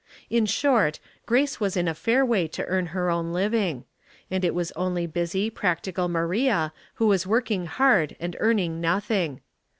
In short, Grace was in a fair way to earn her own living ; and it was only busy, practical Maria who was working hard and earning nothing.